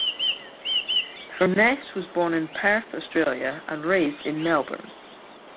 Furness was born in Perth, Australia, and raised in Melbourne.